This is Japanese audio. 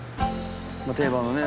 定番のね